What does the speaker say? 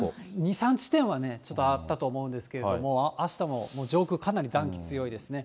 ２、３地点は、ちょっとあったと思うんですけれども、あしたも上空、かなり暖気強いですね。